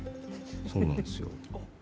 そうなんですよ。